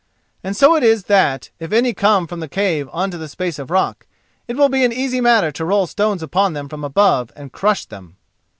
And so it is that, if any come from the cave on to the space of rock, it will be an easy matter to roll stones upon them from above and crush them."